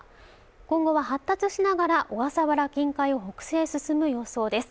今後は発達しながら小笠原近海を北西へ進む予想です